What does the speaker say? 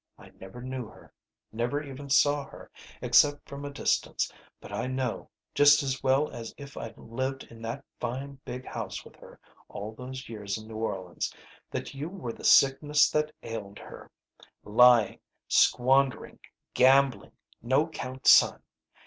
I never knew her, never even saw her except from a distance, but I know, just as well as if I'd lived in that fine big house with her all those years in New Orleans, that you were the sickness that ailed her lying, squandering, gambling, no 'count son!